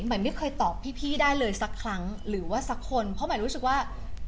หมายไม่เคยตอบพี่พี่ได้เลยสักครั้งหรือว่าสักคนเพราะหมายรู้สึกว่า